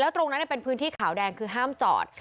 ตรงนั้นเป็นพื้นที่ขาวแดงคือห้ามจอด